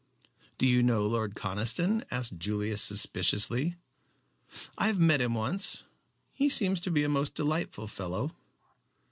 "Do you know Lord Conniston?" asked Julius suspiciously. "I have met him once. He seems to be a most delightful fellow."